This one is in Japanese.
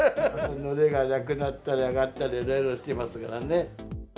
のりがなくなったり、上がったり、いろいろしてますからね。